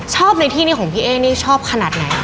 ในที่นี้ของพี่เอ๊นี่ชอบขนาดไหน